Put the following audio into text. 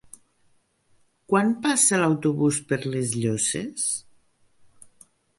Quan passa l'autobús per les Llosses?